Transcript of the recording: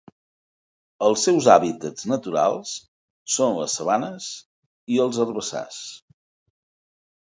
Els seus hàbitats naturals són les sabanes i els herbassars.